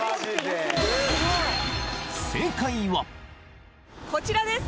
正解はこちらです！